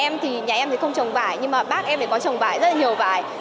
nhà em không trồng vải nhưng bác em có trồng vải rất nhiều vải